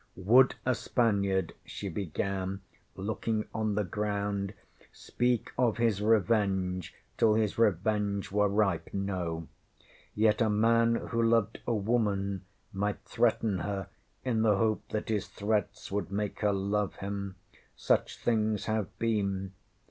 ŌĆśWould a Spaniard, ŌĆÖ she began, looking on the ground, ŌĆśspeak of his revenge till his revenge were ripe? No. Yet a man who loved a woman might threaten her ŌĆśin the hope that his threats would make her love him. Such things have been.